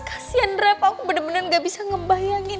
kasian reva aku bener bener gak bisa ngebayangin